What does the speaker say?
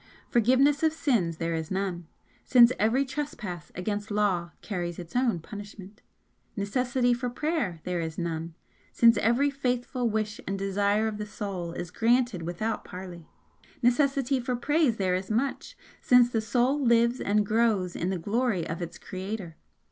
Forgiveness of sins there is none since every trespass against law carries its own punishment. Necessity for prayer there is none, since every faithful wish and desire of the Soul is granted without parley. Necessity for praise there is much! since the Soul lives and grows in the glory of its Creator.